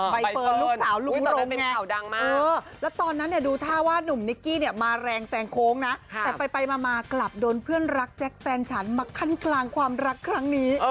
ใบเฟิร์นลูกสาวลุงรงไงแล้วตอนนั้นเนี่ยดูท่าว่านุ่มนิกกี้เนี่ยมาแรงแซงโค้งนะแต่ไปมากลับโดนเพื่อนรักแจ็คแฟนฉันมาขั้นกลางความรักครั้งนี้